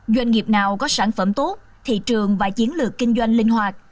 doanh nghiệp nào có sản phẩm tốt thị trường và chiến lược kinh doanh linh hoạt